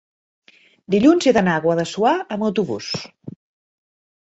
Dilluns he d'anar a Guadassuar amb autobús.